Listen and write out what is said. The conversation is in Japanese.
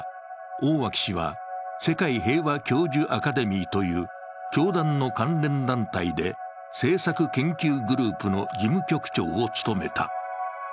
大脇氏は、世界平和教授アカデミーという教団の関連団体で、政策研究グループの事務局長を務めた。